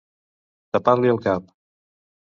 Tapar-li el cap.